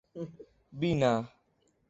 بینا